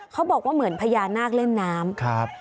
เขาบอกว่าเหมือนพญานาคเล่นน้ำครับ